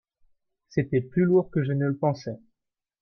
C'était plus lourd que je ne le pensais.